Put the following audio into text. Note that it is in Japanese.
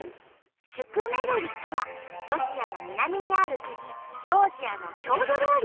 シュクメルリとはロシアの南にある国ジョージアの郷土料理。